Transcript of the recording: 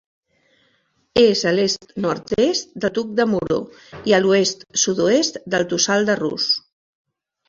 És a l'est-nord-est del Tuc de Moró i a l'oest-sud-oest del Tossal de Rus.